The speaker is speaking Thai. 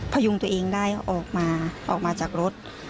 พยุงตัวเองได้ออกมาออกมาจากรถ